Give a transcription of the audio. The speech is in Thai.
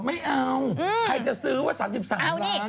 ไม่เอาใครจะซื้อว่า๓๓ล้าน